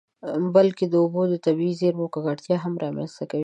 بلکې د اوبو د طبیعي زیرمو ککړتیا هم رامنځته کوي.